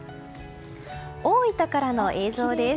大分からの映像です。